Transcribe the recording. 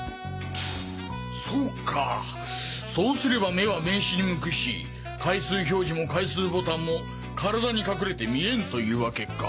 そうかそうすれば目は名刺に向くし階数表示も階数ボタンも体に隠れて見えんというわけか。